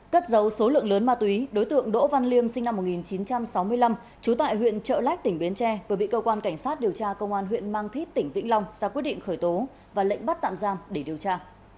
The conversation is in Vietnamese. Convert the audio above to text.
cất dấu số lượng lớn ma túy đối tượng đỗ văn liêm sinh năm một nghìn chín trăm sáu mươi năm trú tại huyện trợ lách tỉnh bến tre vừa bị cơ quan cảnh sát điều tra công an huyện mang thít tỉnh vĩnh long ra quyết định khởi tố và lệnh bắt tạm giam để điều tra